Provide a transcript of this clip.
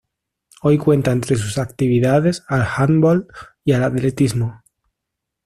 Hoy cuenta entre sus actividades al handball y al atletismo.